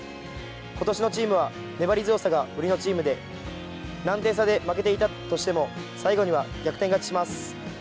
今年のチームは粘り強さが売りのチームで何点差で負けていたとしても最後には逆転勝ちします。